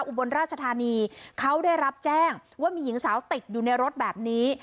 อุบลราชธานีเขาได้รับแจ้งว่ามีหญิงสาวติดอยู่ในรถแบบนี้